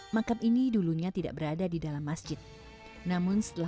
jadi beliau warawiril lah istilahnya